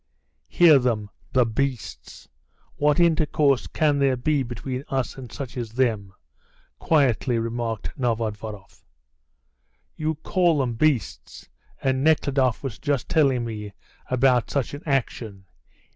"Hear them, the beasts! What intercourse can there be between us and such as them?" quietly remarked Novodvoroff. "You call them beasts, and Nekhludoff was just telling me about such an action!"